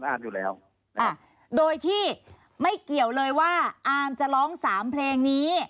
อาร์มอยู่แล้วนะคะโดยที่ไม่เกี่ยวเลยว่าอาร์มจะร้องสามเพลงนี้